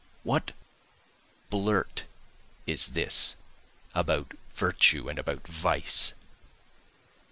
What blurt is this about virtue and about vice?